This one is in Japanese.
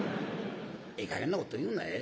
「ええかげんなこと言うな」。